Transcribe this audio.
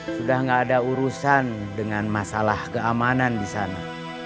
sudah tidak ada urusan dengan masalah keamanan di sana